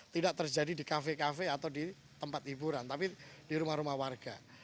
tidak terjadi di kafe kafe atau di tempat hiburan tapi di rumah rumah warga